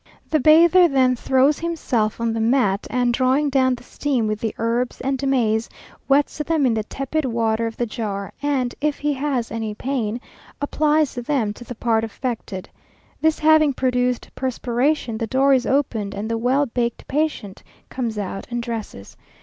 The bather then throws himself on the mat, and drawing down the steam with the herbs and maize, wets them in the tepid water of the jar, and if he has any pain, applies them to the part affected. This having produced perspiration, the door is opened and the well baked patient comes out and dresses.